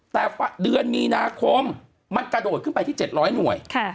แต่เดือนมีนาคมมันกระโดดขึ้นไปที่๗๐๐หน่วย